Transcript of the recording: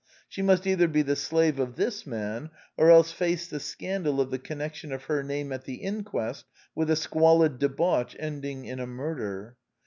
She must either be the slave of this man, or else face the scandal of the connection of her name at the inquest with a squalid debauch ending in a murder.